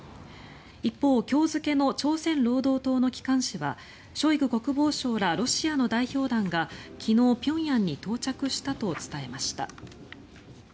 一方、今日付の朝鮮労働党の機関紙はショイグ国防相らロシアの代表団が昨日、平壌に到着したと伝えました。